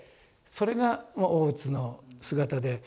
それが大津の姿で。